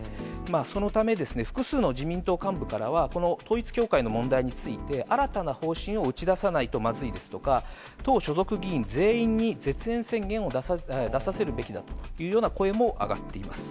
そのため、複数の自民党幹部からは、この統一教会の問題について、新たな方針を打ち出さないとまずいですとか、党所属議員全員に絶縁宣言を出させるべきだというような声も上がっています。